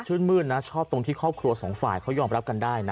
มืดนะชอบตรงที่ครอบครัวสองฝ่ายเขายอมรับกันได้นะ